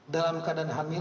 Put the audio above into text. dalam keadaan hamil